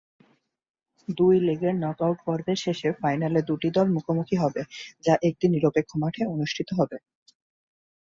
দুই লেগের নকআউট পর্বের শেষে ফাইনালে দুটি দল মুখোমুখি হবে, যা একটি নিরপেক্ষ মাঠে অনুষ্ঠিত হবে।